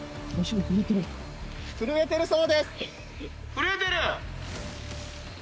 震えてる？